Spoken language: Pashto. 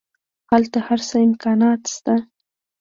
هلته هر څه امکانات شته.